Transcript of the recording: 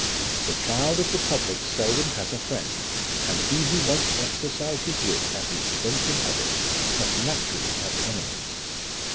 The child of the public seldom has a friend, and he who once exercised his wit at the expense of others, must naturally have enemies.